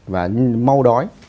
và mau đói